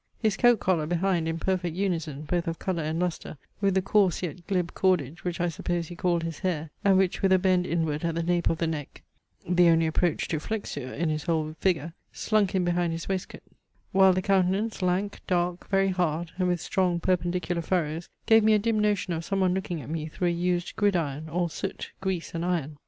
His coat collar behind in perfect unison, both of colour and lustre, with the coarse yet glib cordage, which I suppose he called his hair, and which with a bend inward at the nape of the neck, the only approach to flexure in his whole figure, slunk in behind his waistcoat; while the countenance lank, dark, very hard, and with strong perpendicular furrows, gave me a dim notion of some one looking at me through a used gridiron, all soot, grease, and iron!